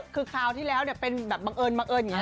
คือคราวที่แล้วเป็นแบบบังเอิญอย่างงี้นะ